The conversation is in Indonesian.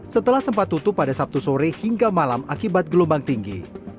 setelah sempat tutup pada sabtu sore hingga malam akibat gelombang tinggi